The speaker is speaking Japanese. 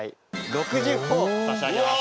６０ほぉ差し上げます。